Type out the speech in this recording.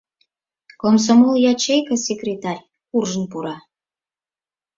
Комсомол ячейка секретарь куржын пура.